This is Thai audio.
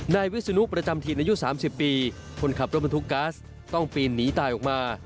นายวิศนุประจำถิ่นอายุ๓๐ปีคนขับรถบรรทุกกัสต้องปีนหนีตายออกมา